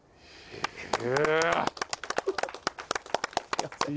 すげえ！